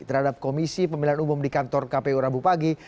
terhadap komisi pemilihan umum di kantor kpu rabu pagi